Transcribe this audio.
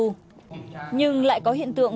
nhưng lại có hiện tượng